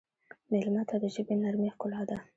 مېلمه ته د ژبې نرمي ښکلا ده.